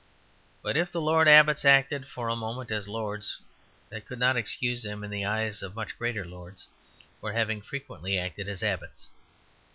But if the lord abbots acted for a moment as lords, that could not excuse them, in the eyes of much greater lords, for having frequently acted as abbots.